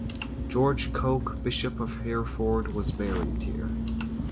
George Coke, Bishop of Hereford, was buried here.